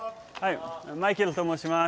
マイケルと申します。